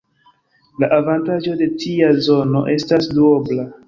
La avantaĝo de tia zono estas duobla.